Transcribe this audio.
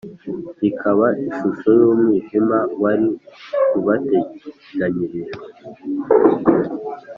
rikaba ishusho y’umwijima wari ubateganyirijwe,